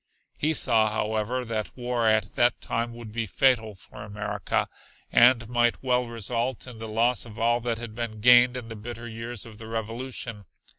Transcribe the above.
He saw, however, that war at that time would be fatal for America, and might well result in the loss of all that had been gained in the bitter years of the Revolution.